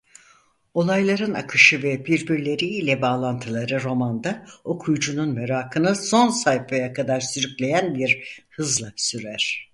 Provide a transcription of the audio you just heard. Olayların akışı ve birbirleri ile bağlantıları romanda okuyucunun merakını son sayfaya kadar sürükleyen bir hızla sürer.